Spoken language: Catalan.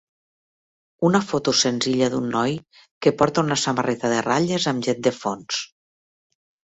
Una foto senzilla d'un noi que porta una samarreta de ratlles amb gent de fons.